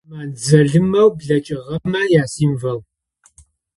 Ар зэман жъалымэу блэкӏыгъэмэ ясимвол.